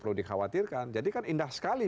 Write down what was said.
perlu dikhawatirkan jadikan indah sekali